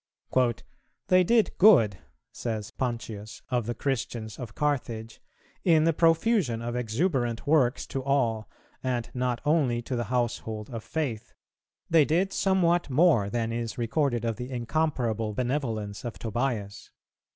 "They did good," says Pontius of the Christians of Carthage, "in the profusion of exuberant works to all, and not only to the household of faith. They did somewhat more than is recorded of the incomparable benevolence of Tobias.